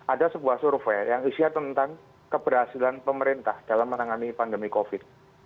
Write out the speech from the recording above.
ada sebuah survei yang isinya tentang keberhasilan pemerintah dalam menangani pandemi covid